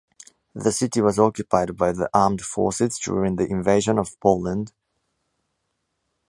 The city was occupied by the armed forces during the invasion of Poland.